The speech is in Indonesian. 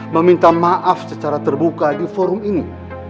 meminta maaf secara terbuka di forum ini